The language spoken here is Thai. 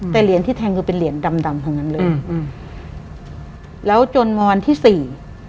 แต่เหรียญที่แทงคือเป็นเหรียญดำทั้งนั้นเลยแล้วจนวันที่๔